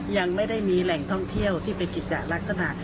ยังไม่ได้มีแหล่งท่องเที่ยวที่เป็นกิจจะลักษณะ